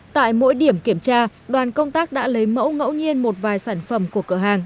tại mỗi điểm kiểm tra đoàn công tác đã lấy mẫu ngẫu nhiên một vài sản phẩm của cửa hàng